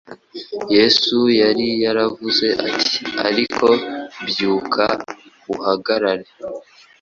Yesu yari yaravuze ati:“Ariko byuka uhagarare.